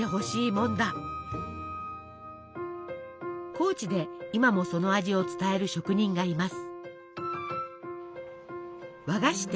高知で今もその味を伝える職人がいます。